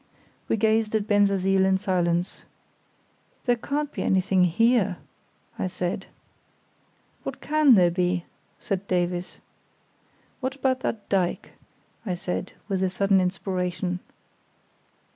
We gazed at Bensersiel in silence. "There can't be anything here?" I said. "What can there be?" said Davies. "What about that dyke?" I said, with a sudden inspiration.